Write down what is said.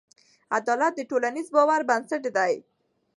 عدالت د ټولنیز باور بنسټ دی.